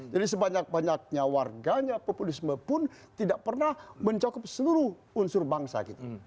jadi sebanyak banyaknya warganya populisme pun tidak pernah mencakup seluruh unsur bangsa gitu